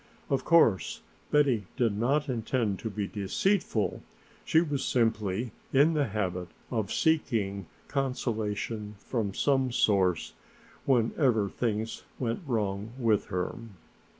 Of course Betty did not intend to be deceitful, she was simply in the habit of seeking consolation from some source, whenever things went wrong with her.